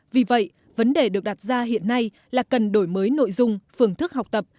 vì vậy vấn đề được đặt ra hiện nay là cần đổi mới nội dung phương thức học tập